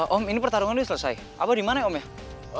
om ini pertarungan udah selesai abah dimana om ya